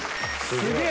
すげえ！